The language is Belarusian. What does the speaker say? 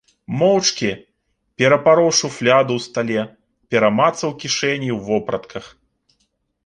Моўчкі перапароў шуфляду ў стале, перамацаў кішэні ў вопратках.